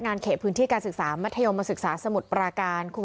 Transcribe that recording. เขตพื้นที่การศึกษามัธยมศึกษาสมุทรปราการ